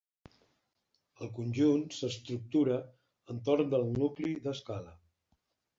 El conjunt s'estructura entorn del nucli d'escala.